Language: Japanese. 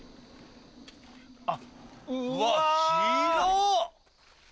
あっうわ。